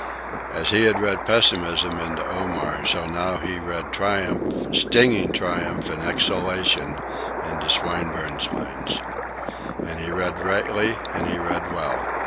As he had read pessimism into Omar, so now he read triumph, stinging triumph and exultation, into Swinburne's lines. And he read rightly, and he read well.